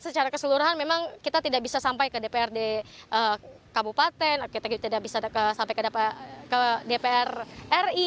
secara keseluruhan memang kita tidak bisa sampai ke dprd kabupaten kita tidak bisa sampai ke dpr ri